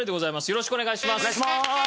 よろしくお願いします。